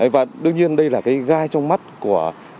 và đương nhiên đây là cái gai trong mắt của các đối phương